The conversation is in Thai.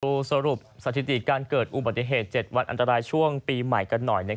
สรุปสถิติการเกิดอุบัติเหตุ๗วันอันตรายช่วงปีใหม่กันหน่อย